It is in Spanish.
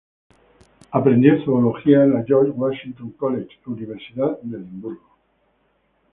Aprendió zoología en la George Watson College, Universidad de Edimburgo.